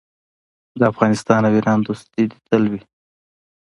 د افغانستان او ایران دوستي دې تل وي.